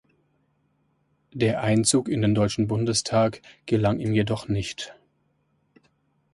Der Einzug in den Deutschen Bundestag gelang ihm jedoch nicht.